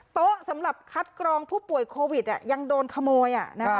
สำหรับคัดกรองผู้ป่วยโควิดยังโดนขโมย